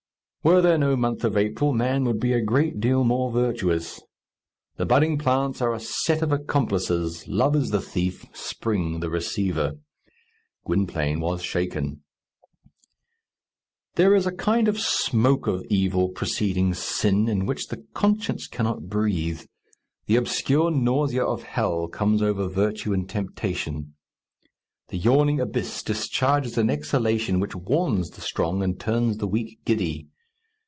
Were there no month of April, man would be a great deal more virtuous. The budding plants are a set of accomplices! Love is the thief, Spring the receiver. Gwynplaine was shaken. There is a kind of smoke of evil, preceding sin, in which the conscience cannot breathe. The obscure nausea of hell comes over virtue in temptation. The yawning abyss discharges an exhalation which warns the strong and turns the weak giddy.